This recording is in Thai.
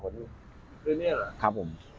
กันนี้หรอครับผม